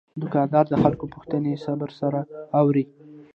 دوکاندار د خلکو پوښتنې صبر سره اوري.